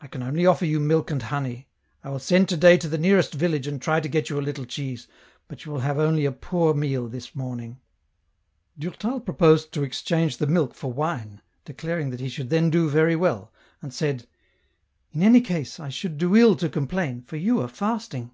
I can only offer you milk and honey ; I will send to day to the nearest village and try to get you a little cheese, but you will have only a poor meal this morning." Durtal proposed to exchange the milk for wine, declaring that he should then do very well, and said, *' In any case I should do ill to complain, for you are fasting."